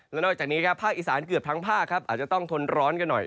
และนอกจากนี้ครับภาคอีสานเกือบทั้งภาคครับอาจจะต้องทนร้อนกันหน่อย